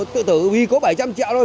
từ vì có bảy trăm linh triệu thôi